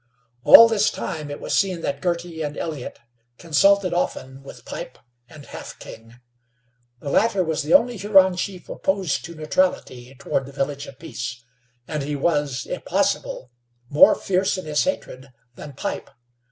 All this time it was seen that Girty and Elliott consulted often with Pipe and Half King. The latter was the only Huron chief opposed to neutrality toward the Village of Peace, and he was, if possible, more fierce in his hatred than Pipe.